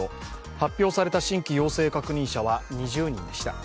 発表された新規陽性確認者は２０人でした。